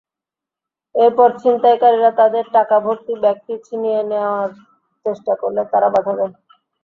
এরপর ছিনতাইকারীরা তাঁদের টাকাভর্তি ব্যাগটি ছিনিয়ে নেওয়ার চেষ্টা করলে তাঁরা বাধা দেন।